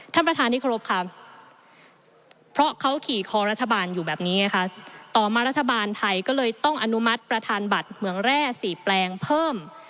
ท่านประธานที่ครบค่ะเพราะเขาขี่คอรัฐบาลอยู่แบบนี้ไงคะต่อมารัฐบาลไทยก็เลยต้องอนุมัติประธานบัตรเหมืองแร่๔แปลงเพิ่ม